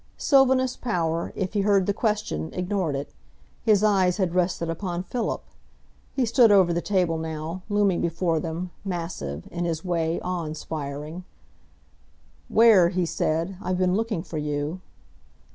Sylvanus Power, if he heard the question, ignored it. His eyes had rested upon Philip. He stood over the table now, looming before them, massive, in his way awe inspiring. "Ware," he said, "I've been looking for you."